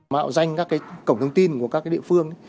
mạo danh các cái cổng thông tin của các địa phương